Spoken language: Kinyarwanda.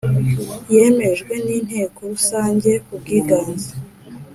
Yemejwe n inteko rusange kubwiganze